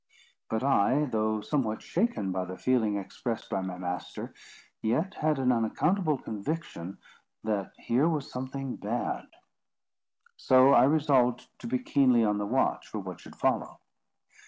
But I, though somewhat shaken by the feeling expressed by my master, yet had an unaccountable conviction that here was something bad. So I resolved to be keenly on the watch for what should follow.